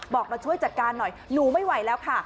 มาช่วยจัดการหน่อยหนูไม่ไหวแล้วค่ะ